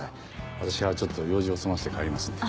私はちょっと用事を済ませて帰りますので。